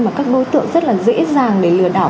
mà các đối tượng rất là dễ dàng để lừa đảo